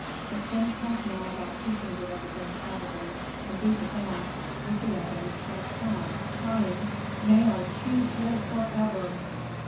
The prince has now about two hundred of his own cavalry, and these advance, with the others, at a trot, crying, "May our chief live forever!"